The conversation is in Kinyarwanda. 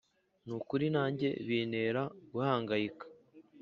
nukuri nanjye bintera guhangayika